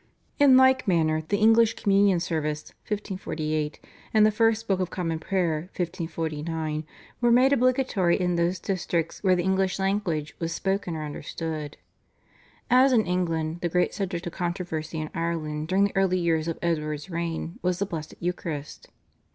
In like manner the English Communion service (1548) and the First Book of Common Prayer (1549) were made obligatory in those districts where the English language was spoken or understood. As in England, the great subject of controversy in Ireland during the early years of Edward's reign was the Blessed Eucharist.